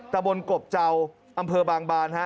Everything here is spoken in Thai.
ตะบนกบเจ้าอำเภอบางบานฮะ